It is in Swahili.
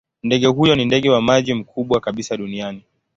Ndege huyo ni ndege wa maji mkubwa kabisa duniani.